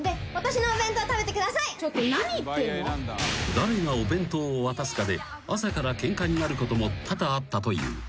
［誰がお弁当を渡すかで朝からケンカになることも多々あったという］